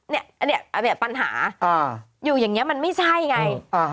เนี่ยอันนี้ปัญหาอยู่อย่างนี้มันไม่ใช่ไง